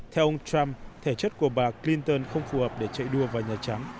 theo ông trump thể chất của bà clinton không phù hợp để chạy đua vào nhà trắng